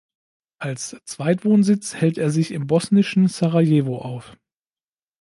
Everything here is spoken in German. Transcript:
Als Zweitwohnsitz hält er sich im bosnischen Sarajevo auf.